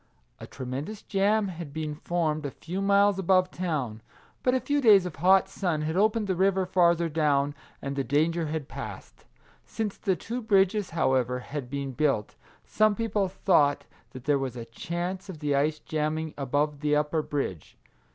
A tremendous jam had been formed a few miles above town ; but a few days of hot sun had opened the river farther down, and the danger had passed. Since the two bridges, however, had been built, some people thought that there was a chance of the ice jamming above the upper bridge.